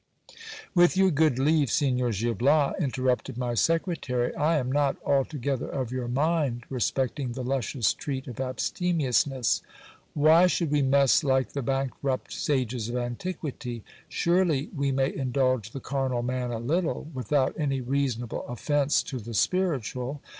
With your good leave, Signor Gil Bias, interrupted my secretary, I am not altogether of your mind respecting the luscious treat of abstemiousness. Why should we mess like the bankrupt sages of antiquity ? Surely we may indulge the carnal man a little, without any reasonable offence to the spiritual.